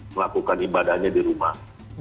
melakukan ibadahnya di rumah